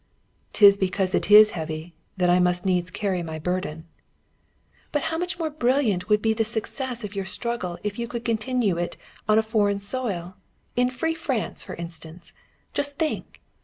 "'Tis because it is heavy that I must needs carry my burden." "But how much more brilliant would be the success of your struggle if you could continue it on a foreign soil in free France, for instance! Just think!